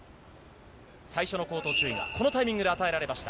最初の口頭注意がこのタイミングで与えられました。